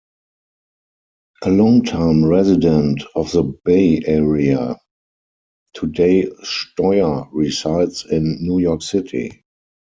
A longtime resident of the Bay Area, today Steuer resides in New York City.